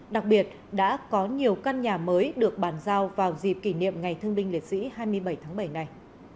đặc biệt đã có nhiều căn nhà mới được bàn giao vào dịp kỷ niệm ngày thương binh liệt sĩ hai mươi bảy tháng bảy này